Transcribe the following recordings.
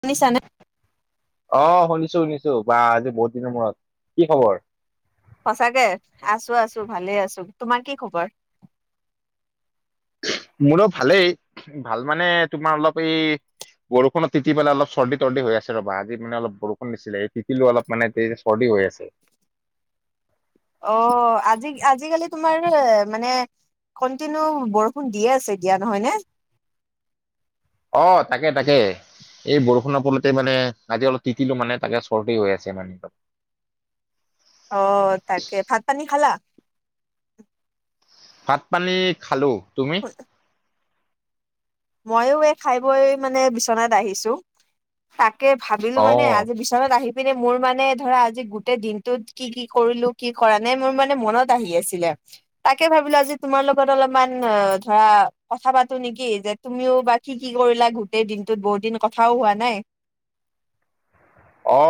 শুনিছা নে অ শুনিছো শুনিছো বা আজি বহুত দিনৰ মূৰত কি খবৰ সঁচাকে আছো আছো ভালে আছো তোমাৰ কি খবৰ মোৰো ভালেই ভাল মানে তোমাৰ অলপ এই বৰুষুণত তিতি পেলা অলপ চৰ্দি তৰ্দি হৈ আছে ৰ'ব আজি মানে অলপ বৰষুণ দিছিলে সেই তিতিলো অলপ মানে তে চৰ্দি হৈ আছে অ আজি আজিকালি তোমাৰ এ মানে কণ্টিনিউ বৰষুণ দিয়ে আছে দিয়া নহয় নে অ তাকে তাকে এই বৰষুণৰ ফলতে মানে আজি অলপ তিতিলো মানে তাকে চৰ্দি হৈ আছে মানে অ তাকে ভাত পানী খালা ভাত পানী খালো তুমি মইও এই খাই বৈ মানে বিচনাত আহিছো তাকে ভাবিলো অ মানে আজি বি বিচনাত আহি পিনে মোৰ মানে ধৰা আজি গোটেই দিনটোত কি কি কৰিলো কি কৰা নাই মোৰ মানে মনত আহি আছিলে তাকে ভাবিলো আজি তোমাৰ লগত অলপমান অ ধৰা কথা পাতো নেকি যে তুমিও বা কি কি কৰিলা গোটেই দিনটোত বহুত দিন কথাও হোৱা নাই অ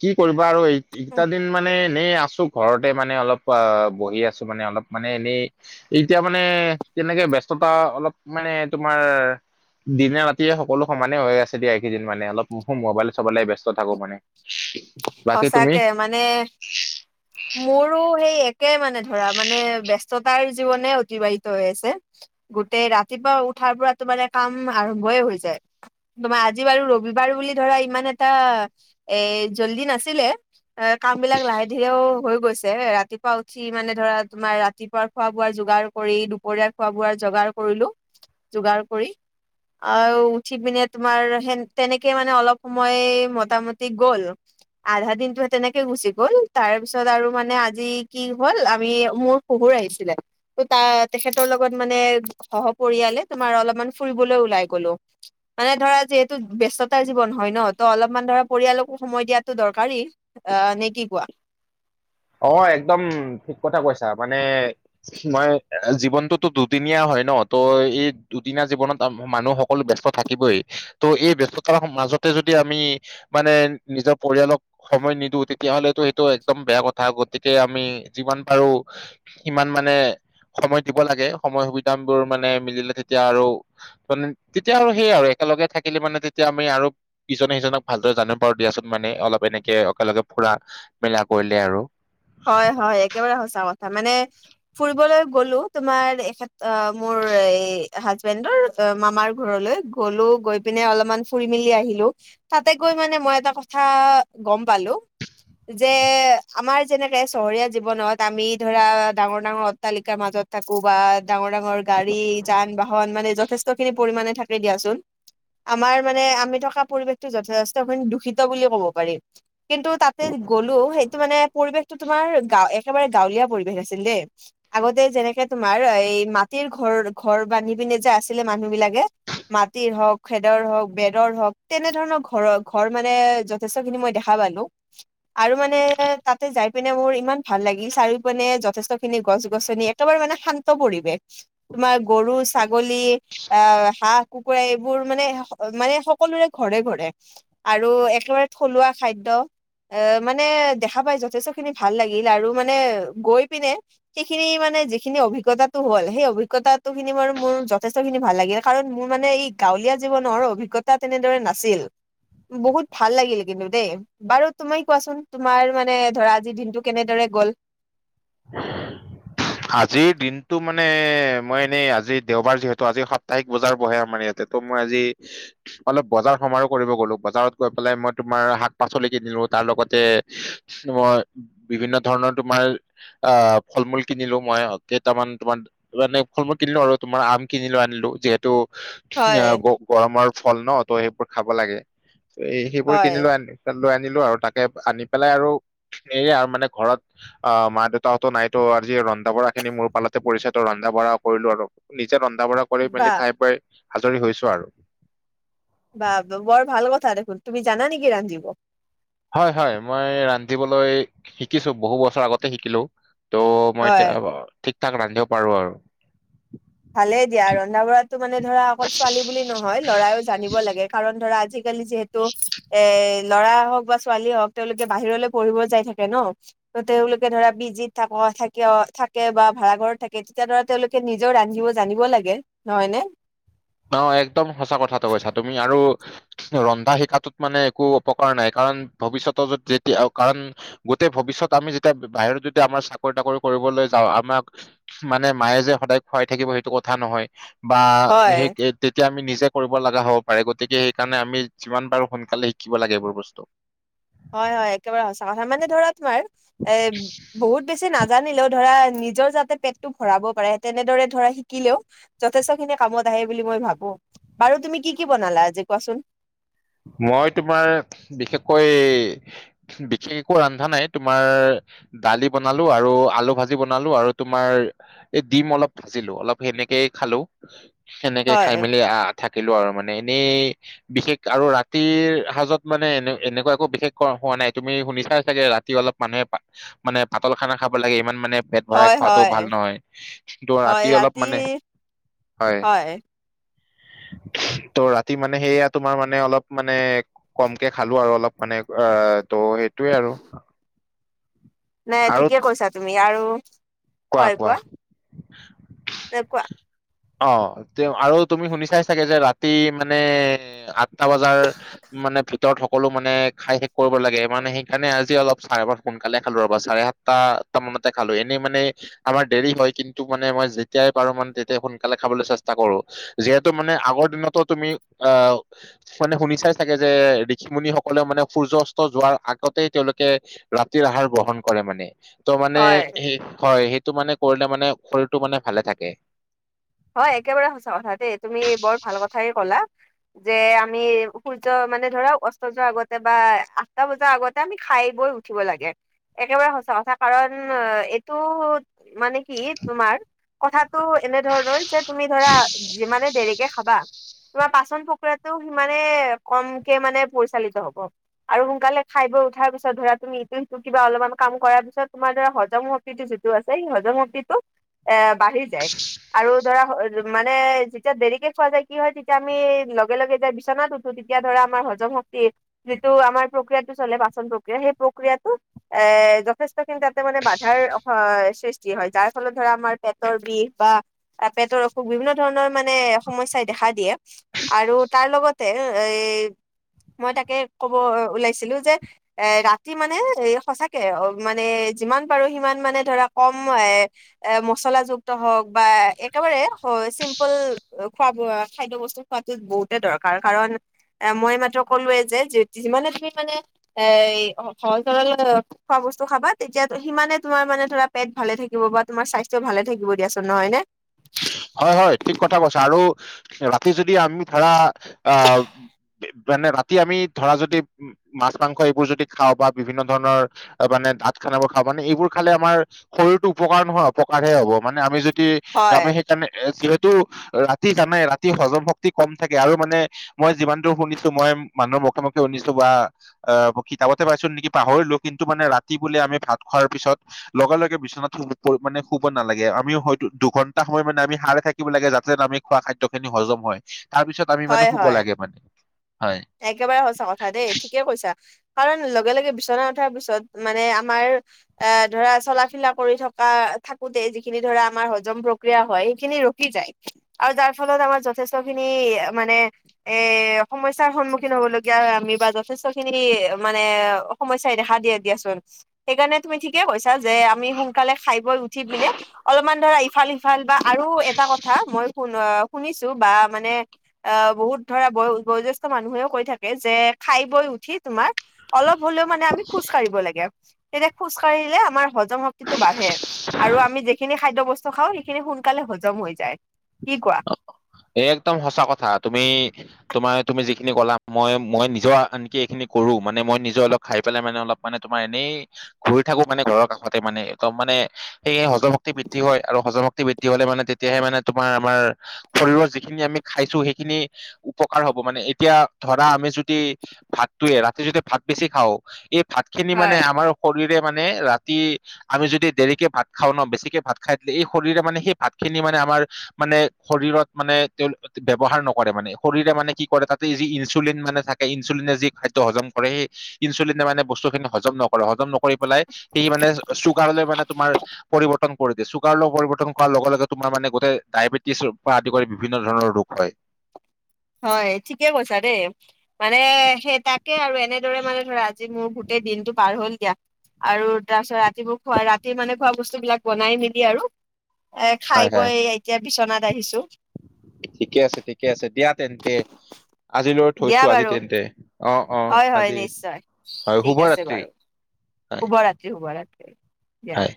কি কৰিবা আৰু এইকেইটা দিন মানে এনেই আছো ঘৰতে মানে অলপ অ বহি আছো মানে অলপ মানে এনেই এতিয়া মানে তেনেকে ব্যস্ততা অলপ মানে তোমাৰ, দিনে ৰাতিয়ে সকলো সমানে হৈ আছে দিয়া এইকেইদিন মানে অলপ মোবাইলত চাব লাগে ব্যস্ত থাকো মানে। বাকী তুমি সঁচাকে মানে, মোৰো সেই একে মানে ধৰা মানে ব্যস্ততাৰ জীৱনে অতিবাহিত হৈ আছে গোটেই ৰাতিপুৱা উঠাৰ পৰাতো মানে কাম আৰম্ভয়ে হৈ যায় তোমাৰ আজি বাৰু ৰবিবাৰ বুলি ধৰা ইমান এটা এ জল্দি নাছিলে এ কাম বিলাক লাহে ধীৰেও হৈ গৈছে ৰাতিপুৱা উঠি মানে ধৰা তোমাৰ ৰাতিপুৱা। খোৱা বোৱা যোগাৰ কৰি দুপৰীয়া খোৱা বোৱাৰ যোগাৰ কৰিলো যোগাৰ কৰি। আৰু উঠি পিনে তোমাৰ সেন তেনেকে মানে অলপ সময় মোটামটি গ'ল। আধা দিনটোহে তেনেকে গুচি গ'ল তাৰ পিছত আৰু মানে আজি কি হ'ল আমি মোৰ। শহুৰ আহিছিলে। ত' তা তেখেতৰ লগত মানে সহপৰিয়ালে তোমাৰ অলপমান ফুৰিবলৈ ওলাই গলো। মানে ধৰা যিহেতু ব্যস্ততাৰ জীৱন হয় ন ত অলপমান ধৰা পৰিয়ালকো। সময় দিয়াতো দৰকাৰী অ নে কি কোৱা। অ একদম ঠিক কথা কৈছা মানে, মই জীৱনটোতো দুদিনীয়া হয় ন ত এই দুদিনীয়া জীৱনত মানুহ সকলো ব্যস্ত থাকে। থাকিবই ত' এই ব্যস্ততাৰ মাজতে যদি আমি। মানে নিজৰ পৰিয়ালক সময় নিদিওঁ তেতিয়াহলেতো এইটো একদম বেয়া কথা। কথা গতিকে আমি যিমান পাৰো। সিমান মানে সময় দিব লাগে সময় সুবিধা বোৰ মানে মিলিলে তেতিয়া আৰু [unintelligible] তেতিয়া সেই আৰু একেলগে থাকিলে মানে তেতিয়া আমি আৰু ইজনে সিজনক ভালদৰে জানিব পাৰো দিয়াচোন মানে অলপ এনেকে একেলগে ফুৰা মেলা কৰিলে আৰু হয় হয় একেবাৰে সঁচা কথা মানে ফুৰিবলৈ গ'লো তোমাৰ এখেত, অ মোৰ এই হাজবেণ্ডৰ মামাৰ ঘৰলৈ গ'লো গৈ পিনে অলপমান ফুৰি মেলি আহিলো। তাতে গৈ মানে মই এটা কথা গম পালো যে আমাৰ, যেনেকে চহৰীয়া জীৱনত আমি ধৰা ডাঙৰ ডাঙৰ অট্টালিকাৰ মাজত থাকো বা, ডাঙৰ ডাঙৰ গাড়ী যান বাহন মানে যথেষ্ট খিনি পৰিমণে থাকে দিয়াচোন। আমাৰ মানে আমি থকা পৰিৱেশটো যথেষ্টি খিনি দূষিত বুলি ক'ব পাৰি। কিন্তু তাতে গ'লো সেইটো মানে পৰিৱেশটো তোমাৰ গা, একেবাৰে গাঁৱলীয়া পৰিৱেশ আছিল দেই। আগতে যেনেকে তোমাৰ এই মাটিৰ ঘৰ ঘৰ বান্ধি পিনে যে আছিলে মানুহ বিলাকে। মাটিৰ হওক খেদৰ হওক বেদৰ হওক তেনেধৰণৰ ঘৰৰ ঘৰ মানে য যথেষ্টখিনি মই দেখা পালো আৰু মানে তাতে যাই, পিনে মোৰ ইমান ভাল লাগিল চাৰিও পিনে যথেষ্ট খিনি গছ গছনি একেবাৰে মানে শান্ত পৰিৱেশ। তোমাৰ গৰু ছাগলী আহ হাঁহ, কুকুৰা এইবোৰ মানে মানে সকলোৰে ঘৰে ঘৰে। আৰু একেবাৰে থলুৱা খাদ্য এ মানে দেখা পায় যথেষ্ট, খিনি ভাল লাগিল আৰু মানে গৈ পিনে। সেইখিনি মানে যিখিনি অভিজ্ঞতাটো হল সেই অভিজ্ঞতাটো খিনি বাৰো মোৰ যথেষ্ট খিনি ভাল লাগিল। কাৰণ মোৰ মানে ই গাঁৱলীয়া জীৱনৰ অভিজ্ঞতা তেনেদৰে নাছিল। বহুত ভাল লাগিল কিন্তু দেই বাৰু তুমি কোৱাচোন তোমাৰ মানে ধৰা। আজি দিনটো কেনেদৰে গ'ল। [inaudible] আজিৰ দিনটো মানে মই এনেই আজি দেওবাৰ যিহেতু আজি সাপ্তাহিক বজাৰ বহে আমাৰ ইয়াতে। ত মই আজি। অলপ বজাৰ সমাৰো কৰিব গলো বজাৰত গৈ পেলাই মই তোমাৰ শাক পাচলি কিনিলো তাৰ লগতে, মই বিভিন্ন ধৰণৰ তোমাৰ। আহ ফল মূল কিনিলো মই কেইটামান তোমাৰ, মানে ফল মূল কিনিলো আৰু তোমাৰ আম কিনিলো আনিলো যিহেতু ধুনীয়া হয় গ গৰমৰ ফল ন ত সেইবোৰ খাব লাগে সেইবোৰ কিনি হয় লৈ আনি লৈ আনিলো আৰু তাকে আনি পেলাই আৰু এ আৰু মানে ঘৰত অ মাত দেউতাহটো নাই তো আজি ৰন্ধা বঢ়াখিনি মোৰ পালতে পৰিছে ত' ৰন্ধা বঢ়া কৰিলোঁ আৰু নিজে ৰন্ধা বঢ়া কৰি মেলি বাহ খাই বৈ আজৰি হৈছো আৰু বা বৰ ভাল কথা দেখোন তুমি জানা নেকি ৰান্ধিব। হয় হয় মই ৰান্ধিবলৈ শিকিছো বহু বছৰ আগতে শিকিলো। ত' মই হয় এতিয়া ঠিক ঠাক ৰান্ধিব পাৰো আৰু ভালে দিয়া ৰন্ধা বঢ়াতো মানে ধৰা অকল ছোৱালী বুলি নহয় লৰাইও জানিব লাগে কাৰণ ধৰা আজিকালি যিহেতু এ ল'ৰা হওক বা ছোৱালী হওক তেওঁলোকে বাহিৰলে পঢ়িব যাই থাকে ন ত তেওঁলোকে ধৰা পিজিত থাক থাকেয় থাকে বা ভাড়া ঘৰত থাকে তেতিয়া ধৰা তেওঁলোকে নিজেও ৰা ন্ধিব জানিব লাগে নহয় নে অ একদম সঁচা কথাটো কৈছা তুমি আৰু ৰন্ধা শিকাটোত মানে একো অপকাৰ নাই কাৰণ ভৱিষ্যত য যেতিয়া কাৰণ গোটেই ভৱিষ্যত আমি যেতিয়া বাহিৰত যদি আমাৰ চাকৰি তাকৰি কৰিবলৈ যাওঁ আমাক মানে মায়ে যে সদায় খুৱাই থাকিব সেইটো কথা নহয় বা হয় সেই তে তেতিয়া আমি নিজে কৰিব লগা হ'ব পাৰে গতিকে সেইকাৰণে আমি যিমান পাৰোঁ সোনকালে শিকিব লাগে এইবোৰ বস্তু। হয় হয় একেবাৰে সঁচা কথা মানে ধৰা তোমাৰ এ বহুত বেছি না নাজানিলেও ধৰা নিজৰ যাতে পেটটো ভৰাব পাৰে তেনেদৰে ধৰা শিকিলেও যথেষ্ট খিনি কামত আহে বুলি মই ভাবো। বাৰু তুমি কি কি বনালা আজি কোৱাচোন? মই তোমাৰ বিশেষকৈ বিশেষ একো ৰন্ধা নাই তোমাৰ দালি বনালো আৰু আলু ভাজি বনালো আৰু তোমাৰ এই ডিম অলপ ভাজিলো অলপ সেনেকেই খালো। সেনেকে খাই হয় মেলি আহ থাকিলো আৰু মানে এনেই বিশেষ আৰু ৰাতিৰ সাজত মানে এনে এনেকুৱা একো বিশেষ খোৱা হোৱা নাই তুমি শুনিছাই চাগে ৰাতি অলপ মানুহে পা মানে পাতল খানা খাব লাগে ইমান মানে পেট ভৰাই হয় খোৱাটো হয় ভাল নহয় ত' ৰাতি অলপ মানে হয় ত' ৰাতি মানে সেইয়া তোমাৰ মানে মানে অলপ মানে কমকে খালো আৰু অলপ মানে অ ত' সেইটোৱে আৰু নাই আৰু ঠিকেই কৈছা তুমি আৰু কোৱা কোৱা? মানে খোৱা অ তেওঁ আৰু তুমি শুনিছাই চাগে যে ৰাতি মানে আঠটা বজাৰ মানে ভিতৰত সকলো মানে খাই শেষ কৰিব লাগে মানে সেইকাৰণে আজি অলপ চাৰে ভাত সোনকালে খালো ৰবা চাৰে সাত তা, তা মানতে খালো। এনেই মানে আমাৰ দেৰি হয় কিন্তু মানে মই যেতিয়াই পাৰোঁ মানে তেতিয়াই সোন কালে খাবলৈ চেষ্টা কৰোঁ। যিহেতু মানে আগৰ দিনটো তুমি আহ মানে শুনিছাই চাগে যে ঋষি মুনি সকলেও মানে সূৰ্য্য অস্ত যোৱাৰ আগতেই তেওঁলোকে ৰাতিৰ আহাৰ গ্ৰহন কৰে মানে। ত' মানে হয় সেই হয়, সেইটো মানে কৰিলে মানে শৰীৰটো মানে ভালে থাকে। হয় একেবাৰে সঁচা কথা দেই তুমি বৰ ভাল কথাই ক'লা। যে আমি সূৰ্য্য মানে ধৰা অস্ত যোৱাৰ আগতে বা আঠটা বজাৰ আগতে আমি খাই বৈ উ উঠিব লাগে। একেবাৰে সঁচা কথা কাৰণ এইটো মানে কি তোমাৰ কথাটো এনে ধৰণৰ যে তুমি ধৰা যিমানে দেৰিকে খাবা তোমাৰ পাচন প্ৰক্ৰিয়াটো সিমানে কমকে মানে পৰিচালিত হ'ব। আৰু সোনকালে খাই বৈ উঠাৰ পিছত ধৰা তুমি ইটো সিটো কিবা অলপমান কাম কৰাৰ পিছত তোমাৰ ধৰা হজম শ শক্তিটো যিটো আছে, সেই হজম শক্তিটো এ বাঢ়ি যায়। আৰু ধৰা মানে যেতিয়া দেৰিকে খোৱা যায়, কি হয় তেতিয়া আমি, লগে-লগে যায় বিচনাত ও ঠো তেতিয়া ধৰা আমাৰ হজম শক্তি, যিটো আমাৰ প্ৰক্ৰিয়াতো চলে পাচন প্ৰক্ৰিয়া, সেই প্ৰক্ৰিয়াটো এ যথেষ্টখিনি তাতে মানে বাধাৰ সৃষ্টি হয়। যাৰ ফলত ধৰা আমাৰ পেটৰ বিষ বা পেটৰ অসুখ, বিভিন্ন ধৰণৰ মানে সমস্যাই দেখা দিয়ে। আৰু তাৰ লগতে এ, মই তাকে ক'ব ওলাইছিলো যে এ ৰাতি মানে এ সঁচাকে মানে যিমান পাৰোঁ সিমান মানে ধৰা কম এ এ মচলা যুক্ত হওঁক বা একেবাৰে হ চিম্পুল এ খোৱা বোৱা খাদ্য বস্তু খোৱাটো বহুতে দৰকাৰ কাৰণ এ মই এইমাত্ৰ কলোৱে যে যে যিমানে তুমি মানে এ স সহজ সৰল, খোৱা বস্তু খাবা তেতিয়া সিমানে তোমাৰ মানে ধৰা পেট ভালে থাকিব বা তোমাৰ স্বাস্থ্যও ভালে থাকিব দিয়াচোন নহয় নে। হয় হয় ঠিক কথা কৈছা। আৰু ৰাতি যদি আমি ধৰা আ, মানে ৰাতি আমি ধৰা যদি মাছ মাংস এইবোৰ যদি খাওঁ বা বিভিন্ন ধৰণৰ। মানে ডাঠ খানাবোৰ খাব মানে এইবোৰ খালে আমাৰ। শৰীৰটো উপকাৰ নহয় অপকাৰহে হ'ব, মানে আমি যদি হয় আমি সেই তেনেকে এ যিহে তু ৰাতি জানাই ৰাতি হজম শক্তি কম থাকে আৰু মানে, মই যিমান দূৰ শুনিছো, মই মানুহৰ মুখে-মুখে শুনিছো বা অ, কিতাপতে পাইছো নেকি পাহৰিলো, কিন্তু মানে ৰাতি বোলে, আমি ভাত খোৱাৰ পিছত, লগে-লগে বিচনাতো শু মানে শুব নালাগে। আমিও হয়তো দুখন এটা সময় মানে আমি সাৰে থাকিব লাগে, যাতে আমি খোৱা খাদ্য খিনি হজম হয়। তাৰ পিছত আমি মানে হয় শুব হয় লাগে মানে। হয় একেবাৰে সছা কথা দেই, ঠিকে কৈছা। কাৰণ লগে-লগে বিচনা উঠাৰ পিছত মানে আমাৰ, এ ধৰা, চলাফিলা কৰি থকা-থাকোতে যিখিনি ধৰা আমাৰ হজম প্ৰক্ৰিয়া হয়, সেইখিনি ৰখি যায় আৰু যাৰ ফলত আমাৰ যথেষ্ট খিনি মানে এ সমস্যা সমস্যাৰ সন্মুখীন হ'বলগীয়া, এ আমি বা যথেষ্ট খিনি মানে সমস্যাই দেখা দিয়ে দিয়াচোন। সেইকাৰণে তুমি ঠিকে কৈছা যে, আমি সোনকালে খাই বৈ উঠি পিনে অলপমান, ধৰা ইফাল-সিফাল বা আৰু এটা কথা, মই শুন অ শুনিছো বা মানে অ, বহুত ধৰা বয় বয়জ্যেষ্ঠ মানুহেও কৈ থাকে, যে খাই বৈ উঠি তোমাৰ অলপ হ'লেও মানে আমি খোজ কাঢ়িব লাগে। তেতিয়া খোজকাঢ়িলে আমাৰ হজম শক্তি শক্তিটো বাঢ়ে আৰু আমি যিখিনি খাদ্য বস্তু খাওঁ, সেইখিনি সোনকালে হজম হৈ যায়। কি কোৱা? একদম সঁচা কথা। তুমি তোমাৰ, তুমি যিখিনি ক'লা, মই-মই নিজৰ আনকি এইখিনি কৰো, মানে মই নিজৰ অলপ খাই পেলাই মানে, অলপ মানে তোমাৰ এনেই ঘূৰি থাকো মানে, ঘৰৰ কাষতে মানে একদম মানে সেই হজম শক্তি বৃদ্ধি হয়। আৰু হজম শক্তি বৃদ্ধি হ'লে মানে তেতিয়াহে মানে তোমাৰ আমাৰ শৰীৰৰ যিখিনি আমি খাইছো, সেইখিনি উপকাৰ হ'ব মানে, এতিয়া ধৰা আমি যদি ভাতটোৱে ৰাতি যদি ভাত বেছি খাওঁ এই ভাত খিনি মানে হয় আমাৰ শৰীৰে মানে ৰাতি, আমি যদি দেৰিকে ভাত খাওঁ ন, বেছিকে ভাত খাই দিলে, এই শৰীৰে মানে সেই ভাতখিনি মানে আমাৰ, মানে শৰীৰত মানে তেওঁ ব্যৱহাৰ নকৰে মানে, শৰীৰে মানে কি কৰে তাতে যি ইনচুলিন মানে থাকে, ইনচুলিনে যি খাদ্য হজম কৰে সেই ইনচুলিনে মানে বস্তু খিনি হজম নকৰে হজম নকৰি পেলাই, সি মানে চুগাৰলৈ মানে তোমাৰ পৰিৱৰ্তন কৰি দিয়ে। চুগাৰ পৰিবৰ্তন কৰাৰ লগে, লগে তোমাৰ মানে গোটেই ডায়বেটিছ পা আদি কৰি বিভিন্ন ধৰণৰ ৰোগ হয়। হয়, ঠিকে কৈছা দেই। মানে সেই তাকে আৰু এনেদৰে মানে ধৰা আজি মোৰ এই দিনটো পাৰ হ'ল দিয়া। আৰু তাৰপিছত ৰাতিবোৰ খোৱা ৰাতি মানে খোৱা বস্তু বিলাক বনাই নিবি আৰু এ খাই হয় হয় বৈ, এতিয়া বিচনাত আহিছো। ঠিকে আছে ঠিকে আছে দিয়া তেন্তে। আজিলৈ দিয়া থৈছো আজি বাৰু তেন্তে অ অ হয় হয় আজি নিশ্চয় হয় ঠিক শুভ আছে বাৰু ৰাত্ৰি। হয় শুভৰাত্ৰি শুভৰাত্ৰি। দিয়া হয়।